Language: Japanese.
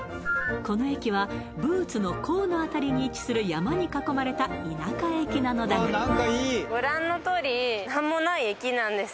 この駅はブーツの甲のあたりに位置する山に囲まれた田舎駅なのだそう